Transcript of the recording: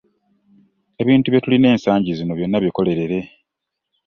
Ebintu bye tulina ensangi zino byonna bikolerere.